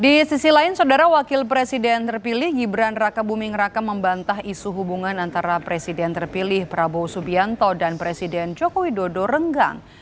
di sisi lain saudara wakil presiden terpilih gibran raka buming raka membantah isu hubungan antara presiden terpilih prabowo subianto dan presiden joko widodo renggang